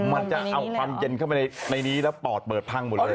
มันจะเอาความเย็นเข้าไปในนี้แล้วปอดเปิดพังหมดเลย